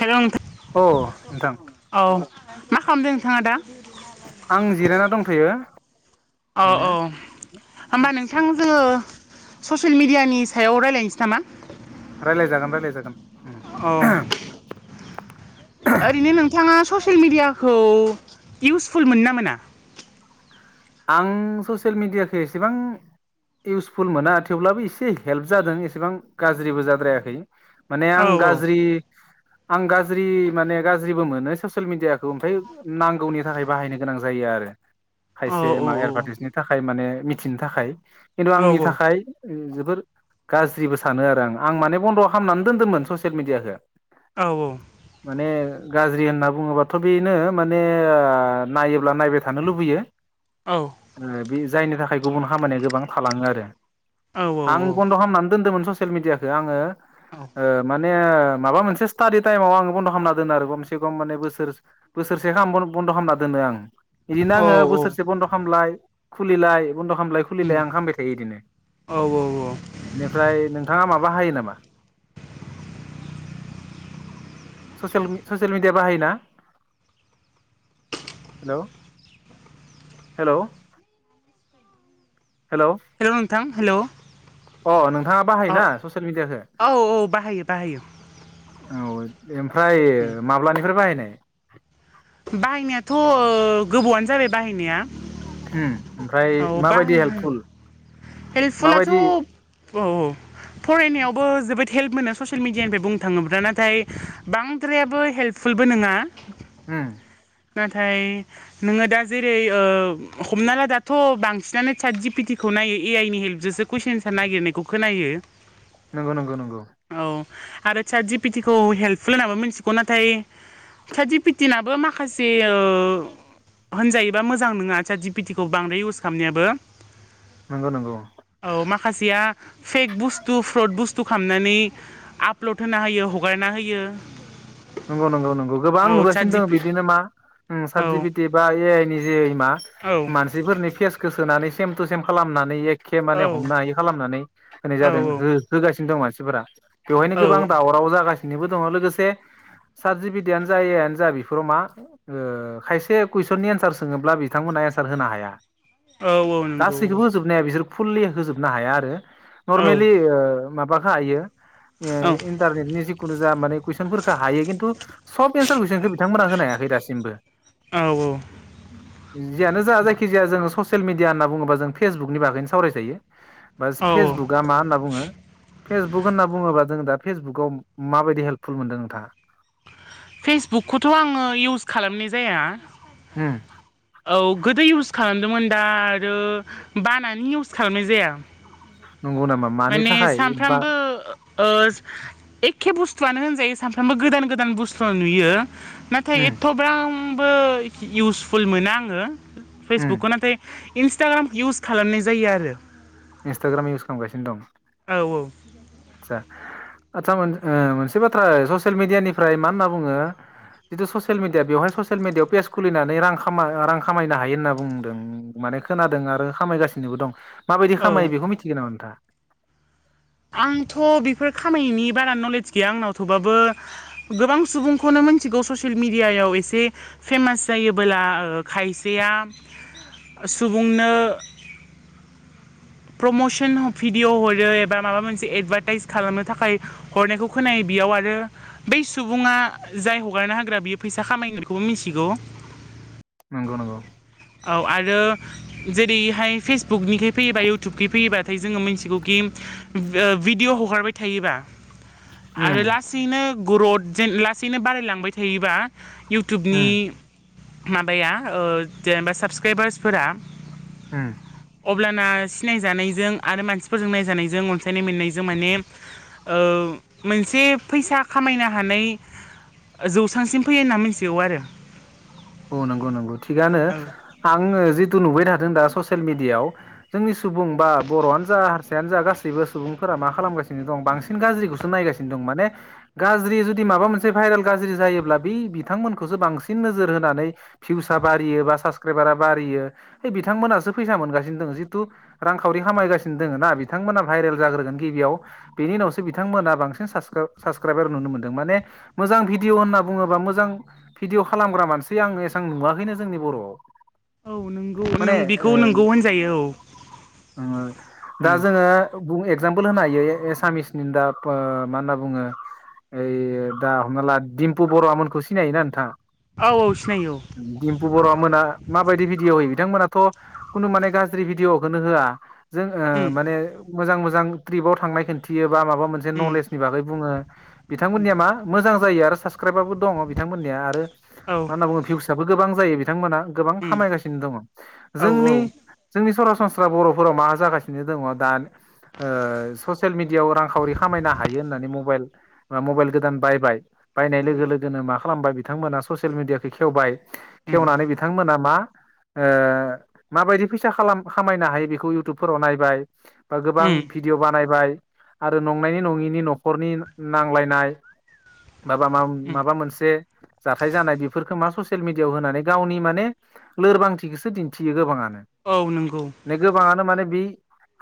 Hello नोंथां औ नोंथां। औ मा खालामदों नोंथाङा दा? फैयो। औ औ होमबा नोंथां जोङो ससियेल मिडियानि सायाव रायज्लायनोसै नामा? राय्लाय जागोन रायलाय औ जागोन। ओरैनो नोंथाङा ससियेल मिडियाखौ इउसफुल मोनो ना मोना? आं ससियेल मिडियाखौ एसेबां इउसफुल मोना थेवब्लाबो एसे हेल्प जादों एसेबां गाज्रिबो जाद्रायाखै। माने औ आं गाज्रि। आं गाज्रि माने गाज्रिबो मोनो ससियेल मिडियाखौ ओमफ्राय नांगौनि थाखाय बाहायनो गोनां जायो आरो। आरो औ खायसे औ माने एदभार्टाइसनि थाखाय माने मिथिनो थाखाय खिन्थु औ आंनि थाखाय। जोबोर गाज्रिबो सानो आरो आं आं माने बन्द' खालामनानै दोन्दोंमोन ससियेल मिडियाखौ। औ औ। माने गाज्रि होनना बुङोबाथ' बेनो माने नायोब्ला नायबाय थानो लुबैयो। औ बे जायनि थाखाय गुबुन खामानिया गोबां थालाङो आरो। आं बन्द' खालामनानै दोनदोंमोन ससियेल मिडियाखौ आङो औ माने माबा मोनसे स्टाडि टाइमाव आं बन्द' खालामना दोनो आरो गमसे गम माने बोसोर बोसोरसे गाहाम बन्द' खालामना दोनो आं। बिदिनो औ आं औ बोसोर खामलाय खुलिलाय। बन्द' खालामलाय उम खुलिलाय आं खामबाय थायो बिदिनो। औ औ औ बेनिफ्राय नोंथाङा मा बाहायो नामा? ससियेल मिडिया बाहायोना? हेलौ हेलौ हेल' नोंथां हेल'। अ नोंथाङा बाहाय ना ससियेल मिदियाखो? औ बाहायो बाहायो औ ओमफ्राय माब्लानिफ्राय बाहायनाय? बाहायनायाथ'ओ गोबावआनो जाबाय बाहायनाया। ओम ओमफ्राय औ माबायदि बाह हेल्पफुल? हेल्पफुलाथ' माबायदि औ औ फरायनायावबो जोबोद हेल्प मोनो ससियेल मिडियानिफ्राय बुंनो थाङोब्ला नाथाय बांद्रायाबो हेल्पफुलबो नङा। ओम नाथाय नोङो दा जेरै हमना ला दाथ' बांसिनानो साट जिपिटि खौ नायो ए आइ नि हेल्पजोंसो कुइसन एन्सार नागिरनायखौ खोनायो। नंगौ नंगौ नंगौ। औ आरो साड जिपिटि हेल्पफुल होनाबो मिथिगौ नाथाय साद जिपिटि। दिनाबो माखासे ओ होनजायोबा मोजां नङा साड टजिपिडि खौ बांद्राय इउस खालामनायाबो। नंगौ नंगौ। खाजया फेक बुस्तु फ्रद बुस्तु बुस्थु खालामनानै आपल'ड होना होयो हगारना होयो। नंगौ नंगौ नंगौ गोबां औ सात नुगासिनो दङ जिपि बिदिनो मा औ सार्टिफिकेट बा ए आइ नि जे मा औ मानसिफोरनि फेस सोनानै सेम थु सेम खालामनानै। एखे माने औ हमनो हायि खालामनानै होनाय औ औ जादों हो होगासिनो दं मानसिफोरा। बेवहायनो औ गोबां दावराव जागासिनोबो दङ लोगोसे [inaudible] साड जिपिडि जायआनो जा बेफोराव मा खायसे कुइसननि एन्सार सोङोब्ला बिथांमोनहा एनसार होनो हाया औ औ नंगौ गासैखौबो होजोबनाया बिसोर। फुलै होजोबनो हाया आरो औ नर्मेलि ओ माबाखो हायो। ए इन्टारनेटनि जिखुनु जा माने कुइसफोनखो हायो खिन्थु सब एन्सार कुइसनखो बिथांमोना होनोहायाखै दासिमबो। औ औ जियानो जा जायखिजाया जोङो ससियेल मिडिया होनना बुङोबा जों फेसबुकनि बागैनो सावरायजायो। बास औ फेसबुकआ मा होनना बुङो। फेसबुक होनना बुङोब्ला जों दा फेसबुकाव माबायदि हेल्पफुल मोनदों नोंथाङा? फेसबुकखौथ' आङो इउस खालामनाय जाया। ओम। औ गोदो इउस खालामदोंमोन दा आरो बानानै इउस खालामनाय जाया। नंगौ नामा मानि माने थाखाय बा सानफ्रामबो ओ एखे बुस्थुआनो होनजायो सानफ्रामबो गोदान गोदान बुस्थु नुयो नाथाय उम एथ'ब्राम बो इउसफुल मोना आङो उम फेसबुकखौ नाथाय इन्स्टाग्राम इउस खालामनाय जायो आरो। इन्स्टाग्राम इउस खालामगासिनो दं? औ औ। आतसा मोन मोनसे बाथ्रा ससियेल मिडियानिफ्राय मा होनना बुङो जिथु ससियेल मिडिया बेवहाय ससियेल मिडियायाव पेज खुलिनानै रां खामा रां खामायनो हायो होनना बुंदों माने खोनादों आरो खामायगासिनोबो दं माबायदि खामायो औ बेखौ मिथिगोन नामा नोंथाङा? आंथ' बेफोर खामायनायनि बारा नलेज गैया आंनाव थेवबाबो गोबां सुबुंखौनो मिथिगौ ससेयेल मिदियायाव एसे फेमास जायोबोला ओ खायसेया सुबुंनो प्रमसन भिडिअ' हरो एबा माबा मोनसे एदभार्टाइस खालामनो थाखाय हरनायखौ खोनायो। बेयाव आरो बै सुबुङा जाय हगारनो होग्रा बियो फैसा खामायगोन बेखौबो मिथिगौ। [inaudible] नंगौ नंगौ। औ आरो जेरैहाय फेसबुकनिखै फैयोबा इउटुबखै फैयोबाथाय जोङो मिथिगौखि ओ भिडिय' हगारबाय थायोबा आरो उम लासैनो ग्रथ जेन लासैनो बारायलांबाय थायोबा इउटुबनि उम माबाया ओ जेनेबा साबसक्राइबार्सफोरा [unintelligible] अब्लाना सिनायजानायजों आरो मानसिफोरजों नायजानायजों अनसायनाय मोननायजों माने ओ मोनसे फैसा खामायनो हानाय जौसांसिम फैयो होनना मिथिगौ आरो। औ नंगौ नंगौ थिगानो आङो जि थु नुबाय थादों दा ससियेल मिडियाआव जोंनि सुबुं बा बर'आनो जा हारसायानो जा गासैबो सुबुंफोरा मा खालामगासिनो दं बांसिन गाज्रिखौसो नायगासिनो दं माने गाज्रि जुदि माबा मोनसे भाइरेल गाज्रि जायो ब्ला बे बिथांमोनखौसो बांसिन नोजोर होनानै भिउसआ बारियो बा साबसक्राइबारा बारियो बे बिथांमोनासो फैसा मोनगासिनो दङ जितु रांखावरि खामायगासिनो दङ ना बिथांमोना भाइरेल जाग्रोगोन गिबियाव बेनि उावसो बिथांमोना बांसिन साब्सक्रा साब्स साब्सक्राइबार नुनो मोनदों माने मोजां भिडअ होनना बुङोबा मोजां भिडिअ खालामग्रा मानसि आं ए आं नुवाखैनो जोंनि बर'आव। औ नोंगौ माने नों बेखौ नोंगौ होनजायो औ। ओ दा उम जोङो बुं एगजामपोल होनो हायो एसामिसनि दाब ओ मा होनना बुङो ओइ दा हमना ला दिडिम्पु बरुवा मोनखौ सिनायोना नोंथाङा? औ औ सिनायो औ। दिम्पु बरुवा'आ मोना माबायदि भिडिअ' होयो बिथांमोनाथ' खुनु माने गाज्रि भिडिअ'खौनो होआ। जों औ उम ओ माने मोजां मोजां ट्रिपाव थांनाय खिनथियो बा माबा मोनसे उम नलेजनि बागै बुङो बिथांमोननिया मा मोजां जायो आरो साब्सक्राइबारबो दङ बिथांमोननिया आरो औ मा होनना बुङो भिउसआबो गोबां जायो बिथांमोना। गोबां उम खामायगासिनो दङ औ औ जोंनि उम जोंनि सरा सोरबा-सोरबा बर'फोराव मा जागासिनो दंङ दा ओ ससियेल मिडियायाव रांखावरि खामायनो हायो होननानै मबाइल बा मबाइल गोदान बायबाय बायनाय लोगो लोगोनो मा खालामबाय बिथांमोना ससियेल मिेडियाखौ खेवबाय खेवनानै बिथांमोना मा ओ माबायदि फैसा खामायनो हायो बेखौ इउटुबफोराव नायबाय बा गोबां उम भिडिय' बानायबाय आरो नंनायनि नङिनि न'खरनि नांलायनाय माबा मा-माबा मोनसे जाथाय जानाय बेफोरफोरखौ मा स सियेल मिडियाआव होनानै गावनि माने लोरबांथिखौसो दिन्थियो गोबाङा औ नंगौ औ नो गोबाङानो माने बे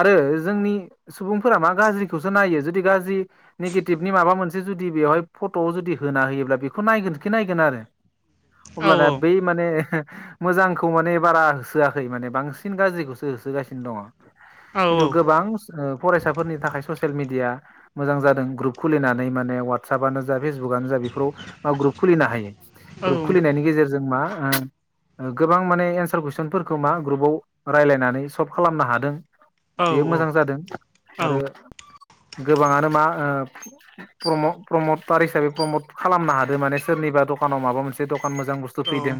आरो जोंनि सुबुंफोरा मा गाज्रिखौसो नायो जुदि गाज्रि नेगेटिभनि माबा मोनसे जुदि जुदि बेवहाय फट'आव जुदि होना होयोब्ला बेखौ नायगोनखि नायगोन आरो। अब्लाना औ बै औ माने मोजांखौ माने बारा होसोआखै माने बांसिन गाज्रिखौसो होसोगासिनो दङ। औ खिन्थु गोबां ओ फरायसाफोरनि थाखाय ससियेल मिडिया मोजां जादों ग्रुप खुलिनानै माने वाट्सपनो जा फेसबुकनो जा बेफोराव मा ग्रुप खुलिनो हायो। औ ग्रुप खुलिनायनि गेजेरजों मा गोबां माने एन्सार कुइसनफोरखौ मा ग्रुपाव रायज्लायनानै सल्भ खालामनो हादों। औ बेयो मोजां जादों आरो औ गोबाङानो मा प्र-प्रमटार हिसाबै प्रमट खालामनो हादों माने सोरनि एबा दखानाव माबा मोनसे दखान मोजां बुस्थु फैदों औ ओं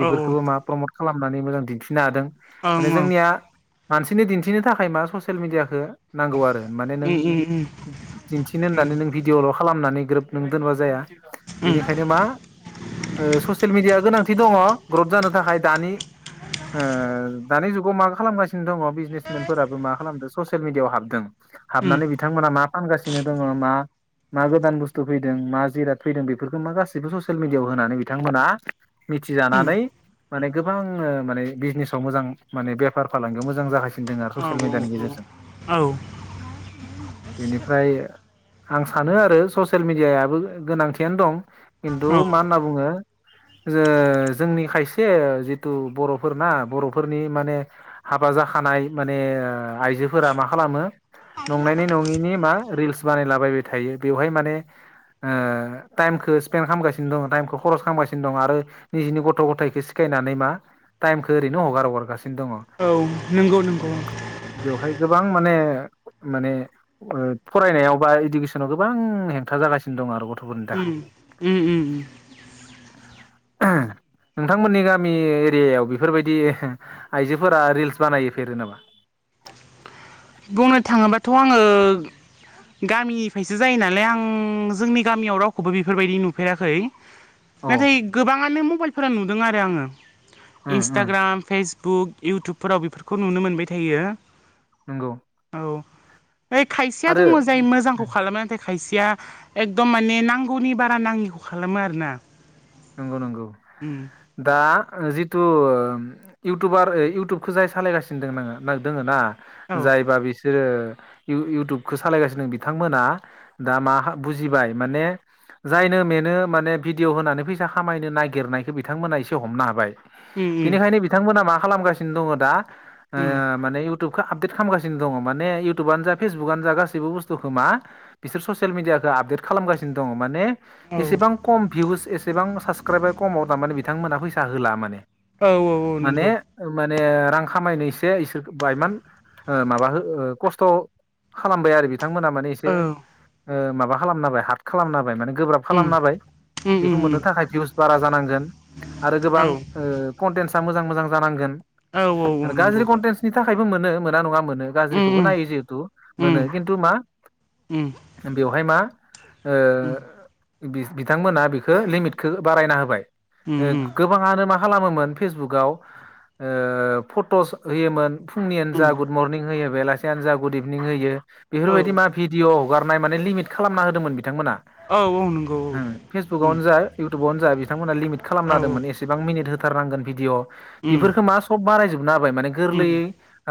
ओं मा प्रमट खालामनानै मोजां दिन्थिनो हादों। माने उम उम जोंनिया मानसिनि दिन्थिनो थाखाय मा ससियेल मिडियाखो नांगौ आरो माने नों उम दिन्थिनो होननानै नों उम भिडिय'ल' खालामनानै ग्रोब नों दोनबा जाया बेनिखायनो मा ओ ससियेल मिडिया गोनांथि दंङ ग्रथ जानो थाखाय दानि ओ दानि जुगाव मा खालामगा दं बिजनेसमेनफोराबो मा खालामदों ससियेल मिडियाआव हाबदों उम उम हाबनानै बिथांमोना मा फानगासिनो दंङ मा मा गोदान बुस्थु फैदों मा जिराद फैदों बेफोरखौ मा गासिबो ससियेल मिडियाआव होननानै बिथांमोना उम मिथिजानानै माने गोबां माने बिजनेसाव मोजां माने बेफार फालांगियाव मोजां जागा सिनोदों आरो औ ससियेल मिडियानि गेजेरजों औ बेनिफ्राय आं सानो आरो ससियेल मिडियाबो गोनांथियानो दं खिन्थु औ मा होनना बुंङो ओ जोंनि खायसे जिथु बर'फोरना बर'फोरनि माने हाबा जा खानाय माने आइजोफोरा मा खालामो नंनायनि नङिनि मा रिल्स बानायलाबायबाय थायो बेवहाय माने ओ टाइमखौ स्पेन्ड खामगासिनो दं टाइमखौ खरस खालामगासिनो दं आरो निजिनि गथ' गथायखो सिखायनानै मा टाइमखो ओरैनो हगार हगारगासि औ नंगौ नंगौ बेवहाय गोबां माने माने फरायनायाव बा इडुकेसनाव गोबां हेंथा जागासि दं आरो गथ'फोरनि थाखाय अम अम अम नोंथांमोननि गामि एरियायाव बेफोरबायदि आइजोफोरा रिल्स बानायोफेरो नामा। बुंनो थाङोबाथ' आंङो गामिनिफ्रायसो जायो नालाय आं जोंनि गामियाव रावखौबो बेफोरबायदि नुफेराखै औ नाथाय गोबाङानो मबाइलफोरा नुदों आरो आंङो उम उम इन्स्टाग्राम फेस बुक इयउटुबफोराव बेफोरखौ नुनो मोनबाय थायो। नंगौ औ खायसेया आरो दंङ जाय मोजांखौ उम खालामना खायसेया एकदम माने नांगौनि बारा नाङिखौ खालामो आरोना। नंगौ नंगौ उम दा अ जिथु इउटुबार ओ इउटुबखौ जाय सालायगासिनो दं आङो दोङो ना औ जायबा बिसोरो इउ इउटुबखौ सालायगासिनो दों बिथांमोना दा मा बुजिबाय माने जायनो मेनो माने भिडिअ' होनानै फै सा खामायनो नागिरनायखौ बिथांमोना एसे हमनो हाबाय उम उम बेनिखायनो बिथांमोना मा खालामगासिनो दङ दा ओ उम माने युत इउटुबखौ आपदेट खालामगासिनो दङ माने इउटुबानो जा फेसबुकानो जा गासैबो बुस्थुखौ मा बिसोर ससियेल मिडियाखौ आपदेट खालामगासिनो दङ माने औ एसेबां खम भिउस एसेबां साबस्क्राइबार कमाव तारमाने बिथांमोनहा फैसा होला माने औ औ औ माने नंगौ। माने रां खामायनो एसे इसोर बाहायमान ओ माबा हो खस्थ' खालामबाय आरो बिद बिथांमोना माने एसे औ ओ माबा खालामना होबाय हार्ड खालामना होबाय माने गोब्राब उम खालामना होबाय उम बेख खौ उम मोननो उम थाखाय भिउस बारा जानांगोन आरो गोबां औ ओ कन्टेन्सा मोजां मोजां जानांगोन। औ औ आरो नंगौ गाज्रि कन्टेन्सनि थाखायबो मोनो। मोना नङा मोनो गाज्रिखौबो उम नायो जिहेथु उम मोनो किन्थु मा उम बेवहाय मा उम ओ बि-बिथांमोनहा बिखो लिमिटखो बारायना होबाय। ओ उम गोबाङानो मा खालामोमोन फेसबुकाव ओ फट'स होयोमोन फुंनियानो उम जा उम गुड मरनिं होयो बेलासियानो जा गुड इभिनिं होयो औ बेफोरबायदि मा भिडिअ' हगारनाय माने लिमिट खालामना होदोंमोन बिथांमोना औ औ नंगौ औ ओम फेस उम बुकावनो जा इउटुबावनो जा बिथांमोना लिमिट खालामना औ उम होदोंमोन एसेबां मिनिट होथारनांगोन भिडिअ' उम बेफोरखौ मा सब बारायजोबना होबाय माने उम गोरलैयै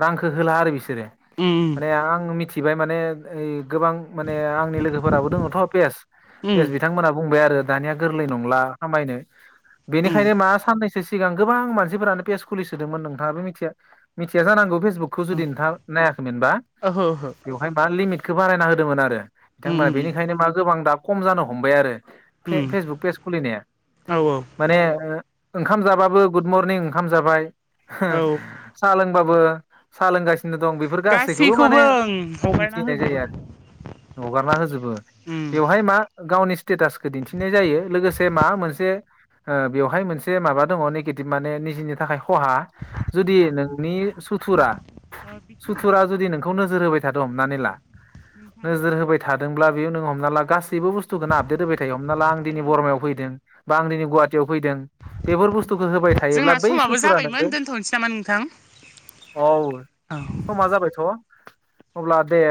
रांखौ होला आरो बिसोर। उम सोरो माने आं मिथिबाय माने ओइ गोबां माने आंनि लोगोफोराबो दङथ' पेज पेज उम बिथांमोनहा बुंबाय आरो दानिया गोरलै नंला खामायनो उम बेनिखायनो मा साननैसो सो सिगां गोबां मानसिफोरानो पेज खुलिसोदोंमोन नोंथाङाबो मिथिया मिथिया जानांगौे फेसबु बुकखौ जुदि नोंथा नायाखैमोनबा ओहो ओहो बेवहाय मा लिमिटखौ बारायना होदोंमोन आरो। उम बिथांमोना उम बेनिखायनो मा गोबां दा कम जानो हमबाय आरो। उम फे-फेसबुक पेज खुलिनाया औ औ माने ओ ओंखाम जाबाबो गुड मरनिं ओंखाम जाबाय औ साहा लोंबाबो साहा लोंगासिनो सिनो दं बेफोर गासैखौबो माने ओं हगारना मिथिनाय होजोबो जायो आरो। हगारना होजोबो उम बेवहाय मा गावनि स्टेटास खो दिन्थिनाय जायो लोगोसे माबा मोनसे ओ बेवहाय मोनसे माबा दङ नेगेटिभ माने निजिनि थाखाय खहा जुदि नोंनि सुथुरा ओ बिथां सुथुरा जुदि नोंखौ नोजोर होबाय थादों हमनानै ला नोजोर होबाय थादों ब्ला बेयावनो हमना ला गासैबो बुस्थुखौनो आपदेट होब थायो हमना ला आं दिनै हेल' बरमायाव नोंथां फैदों बा आं दिनै गुवात तियाव फैदों बेफोर बुस्थुखौ होबाय थायोब्ला जोंना बै समाबो सुथुरा नोंजों जाबायमोन दोनथ'नोसै नामा नोंथां औ औ समा जाबायथ' अब्ला दे।